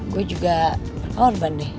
gue juga berkorban deh